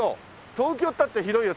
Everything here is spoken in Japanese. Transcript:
東京ったって広いよ。